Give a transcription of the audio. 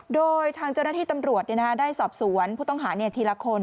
โดยทางเจ้าหน้าที่ตำรวจได้สอบสวนผู้ต้องหาทีละคน